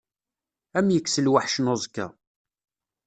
Ad m-yekkes lweḥc n uẓekka.